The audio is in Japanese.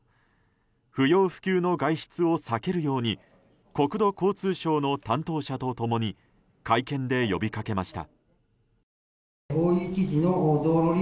不要不急の外出を避けるように国土交通省の担当者と共に会見で呼びかけました。